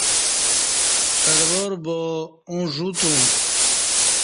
اڈوار با اوں ژ وتُم